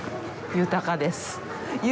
豊かです。